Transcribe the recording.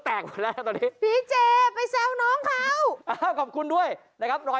แตกมาแล้วตอนนี้ไปน้องข้าวอ่าขอบคุณด้วยนะครับ